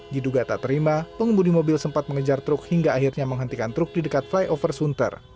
diduga tak terima pengemudi mobil sempat mengejar truk hingga akhirnya menghentikan truk di dekat flyover sunter